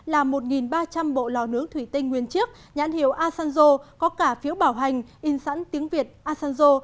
là một ba trăm linh bộ lò nướng thủy tinh nguyên chiếc nhãn hiệu asanjo có cả phiếu bảo hành in sẵn tiếng việt asanjo